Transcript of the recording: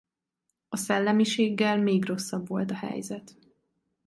A szellemiséggel még rosszabb volt a helyzet.